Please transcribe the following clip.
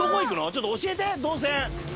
ちょっと教えて動線。